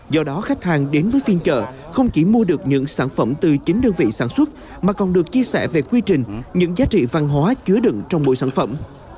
do đó khách hàng đến với phiên chợ không chỉ mua được những sản phẩm từ chính đơn vị sản xuất mà còn được chia sẻ về quy trình những giá trị văn hóa chứa đựng trong mỗi sản phẩm